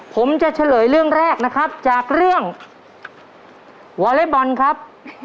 ผมจะเฉลยเรื่องแรกนะครับจากเรื่องวอเล็กบอลครับ